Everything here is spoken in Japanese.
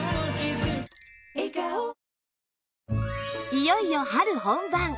いよいよ春本番